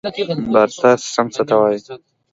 بارتر سیستم څه ته وایي؟